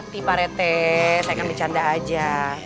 mati pak rete saya kan bercanda aja